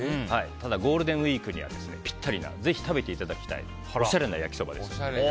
ただゴールデンウィークにはピッタリなぜひ食べていただきたいおしゃれな焼きそばです。